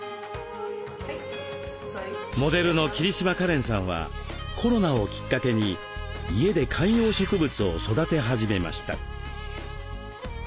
モデルの桐島かれんさんはコロナをきっかけに家で観葉植物を育て始めました。